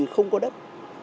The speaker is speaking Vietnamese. thì cũng không có đất